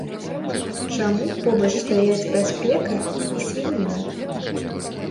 Чаму побач стаяць бяспека і свініна?